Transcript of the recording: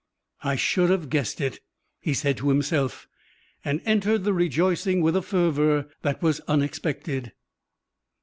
"I should have guessed it," he said to himself, and entered the rejoicing with a fervour that was unexpected.